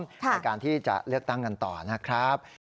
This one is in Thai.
ในการที่จะเลือกตั้งกันต่อนะครับ